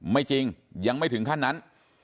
ไม่จริงยังไม่ถึงขั้นนั้น